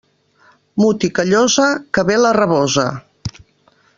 Mut i callosa, que ve la rabosa.